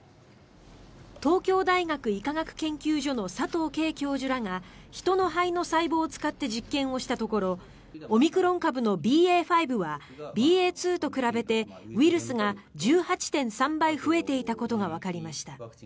東京大学医科学研究所の佐藤佳教授らが人の肺の細胞を使って実験をしたところオミクロン株のＢＡ．５はＢＡ．２と比べてウイルスが１８．３倍増えていたことがわかりました。